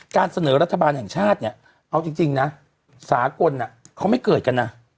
การเสนอรัฐบาลแห่งชาติเนี่ยเอาจริงนะสากลเขาไม่เกิดกันนะ